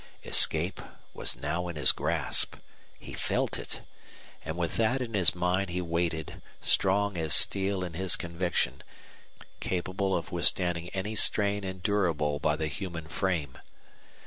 Escape was now in his grasp. He felt it. And with that in his mind he waited, strong as steel in his conviction, capable of withstanding any strain endurable by the human frame.